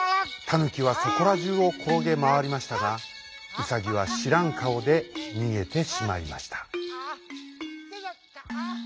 タヌキはそこらじゅうをころげまわりましたがウサギはしらんかおでにげてしまいました。